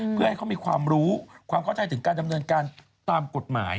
เพื่อให้เขามีความรู้ความเข้าใจถึงการดำเนินการตามกฎหมาย